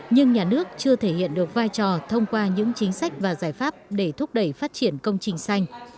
nhưng nhà nước chưa thể hiện được vai trò thông qua những chính sách và giải pháp để thúc đẩy phát triển công trình xanh